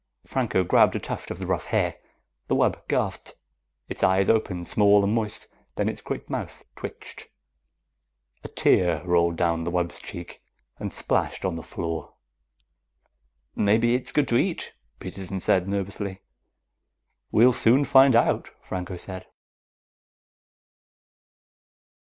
Franco grabbed a tuft of the rough hair. The wub gasped. Its eyes opened, small and moist. Then its great mouth twitched. A tear rolled down the wub's cheek and splashed on the floor. "Maybe it's good to eat," Peterson said nervously. "We'll soon find out," Franco said.